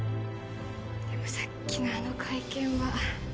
でもさっきのあの会見は